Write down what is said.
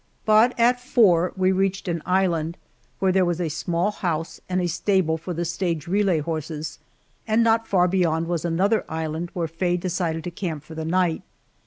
But at four we reached an island, where there was a small house and a stable for the stage relay horses, and not far beyond was another island where Faye decided to camp for the night.